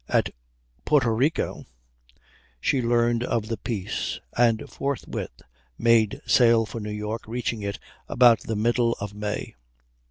At Porto Rico she learned of the peace, and forthwith made sail for New York, reaching it about the middle of May.